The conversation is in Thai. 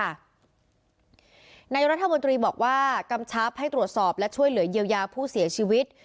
นายกรัฐมนตรีบอกว่ากำชับให้ตรวจสอบและช่วยเหลือเยียวยาผู้เสียชีวิต